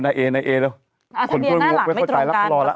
ทะเบียนหน้าหลังไม่ตรงกัน